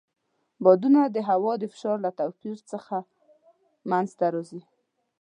بادونه د هوا د فشار له توپیر څخه منځته راځي.